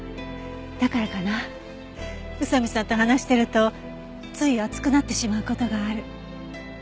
だからかな宇佐見さんと話してるとつい熱くなってしまう事がある。